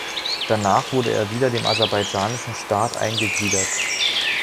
Danach wurde er wieder dem aserbaidschanischen Staat eingegliedert.